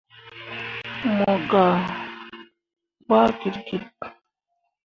Mo gah gbaa git git.